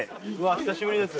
久しぶりです